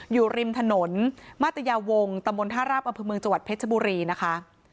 อยู่ริมถนนมาตยาวงศมนท่าราบอำเภอเมืองจังหวัดเพชรบุรีนะคะ